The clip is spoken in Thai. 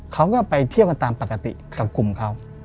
เขาก็ไปเที่ยวกันตามปกติกับกลุ่มเขา